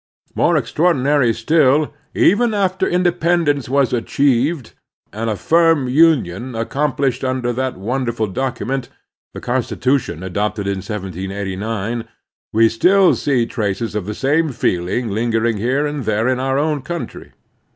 More extraordinary still, even after independ ence was achieved, and a firm Union accom plished under that wonderful document, the Con stitution adopted in 1789, we still see traces of the same feeling lingering here and there in our own cotmtry.